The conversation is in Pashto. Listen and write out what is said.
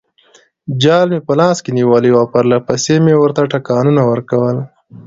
جال مې په لاس کې نیولی وو او پرلپسې مې ورته ټکانونه ورکول.